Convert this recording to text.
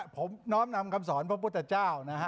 ผมน้อมนำคำสอนพระพุทธเจ้านะฮะ